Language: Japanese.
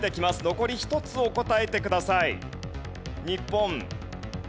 残り１つを答えてください。